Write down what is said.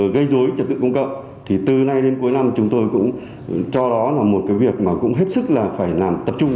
gây dối trật tự công cộng thì từ nay đến cuối năm chúng tôi cũng cho đó là một cái việc mà cũng hết sức là phải làm tập trung